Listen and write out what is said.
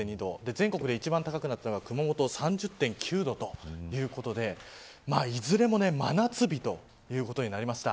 全国で一番高かったのが熊本３０．９度ということでいずれも真夏日ということになりました。